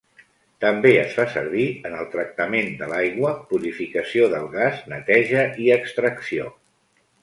També es fa servir en el tractament de l'aigua, purificació del gas neteja i extracció.